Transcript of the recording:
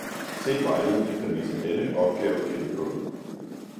Se vejledning der viser denne opgave gennemgået.